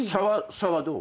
差はどう？